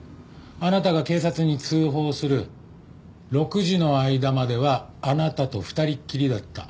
あなたが警察に通報する６時の間まではあなたと２人っきりだった。